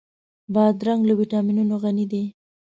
بادرنګ له ويټامینونو غني دی.